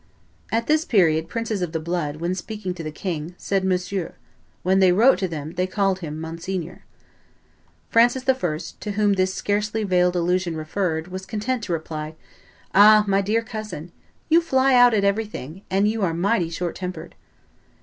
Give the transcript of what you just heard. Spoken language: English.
[At this period princes of the blood, when speaking to the king, said Monsieur; when they wrote to him, they called him Monseigneur.] Francis I., to whom this scarcely veiled allusion referred, was content to reply, "Ah! my dear cousin, you fly out at everything, and you are mighty short tempered."